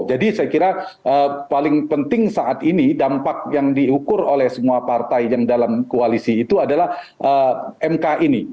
jadi saya kira paling penting saat ini dampak yang diukur oleh semua partai yang dalam kualisi itu adalah mk ini